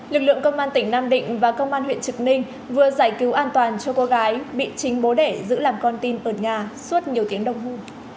lực lượng công an tỉnh nam định và công an huyện trực ninh vừa giải cứu an toàn cho cô gái bị chính bố đẻ giữ làm con tin ở nhà suốt nhiều tiếng đồng hồ